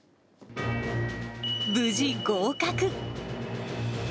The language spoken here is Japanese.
無事、合格。